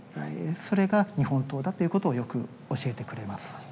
それが日本刀だということをよく教えてくれます。